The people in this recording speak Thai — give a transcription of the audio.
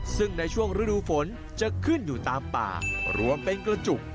ซึ่งในช่วงฤดูฝนจะขึ้นอยู่ตามป่ารวมเป็นกระจุก